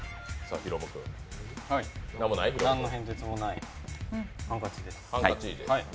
何の変哲もないハンカチです。